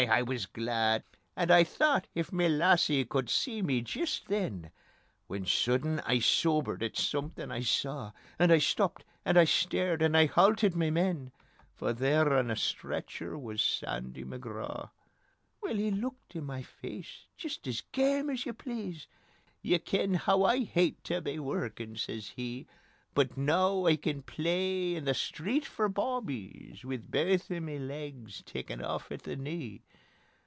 I wis glad. And I thocht: if ma lassie could see me jist then. ... When sudden I sobered at somethin' I saw, And I stopped and I stared, and I halted ma men, For there on a stretcher wis Sandy McGraw. Weel, he looks in ma face, jist as game as ye please: "Ye ken hoo I hate tae be workin'," says he; "But noo I can play in the street for bawbees, Wi' baith o' ma legs taken aff at the knee."